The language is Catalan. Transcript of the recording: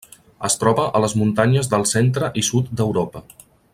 Es troba a les muntanyes del centre i sud d'Europa.